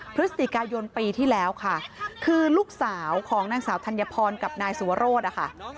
พฤศจิกายนปีที่แล้วค่ะคือลูกสาวของนางสาวธัญพรกับนายสุวรสนะคะ